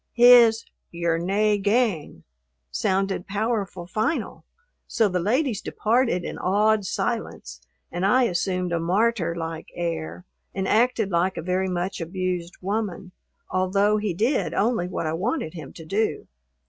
His "Ye're nae gang" sounded powerful final, so the ladies departed in awed silence and I assumed a martyr like air and acted like a very much abused woman, although he did only what I wanted him to do.